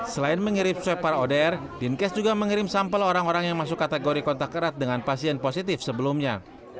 selain mengirim swab para odr dinkes juga mengirim sampel orang orang yang masuk kategori kontak erat dengan pasien positif sebelumnya